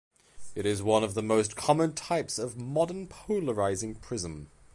It is one of the most common types of modern polarizing prism.